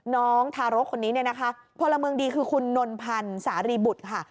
น้องทารกคนนี้เนี่ยนะคะพลเมืองดีคือคุณนนพันธ์สารีบุตรค่ะ